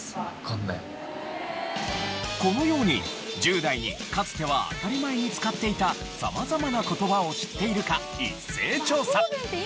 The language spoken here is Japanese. このように１０代にかつては当たり前に使っていた様々な言葉を知っているか一斉調査！